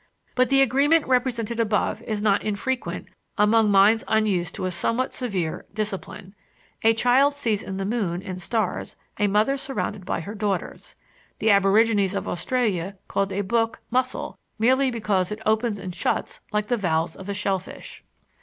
But the agreement represented above is not infrequent among minds unused to a somewhat severe discipline. A child sees in the moon and stars a mother surrounded by her daughters. The aborigines of Australia called a book "mussel," merely because it opens and shuts like the valves of a shellfish.